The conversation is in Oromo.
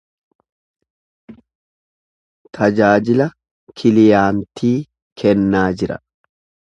tajaajila kiliyaantii kennaa jira.